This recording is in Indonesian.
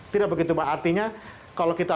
tidak begitu pak artinya kalau kita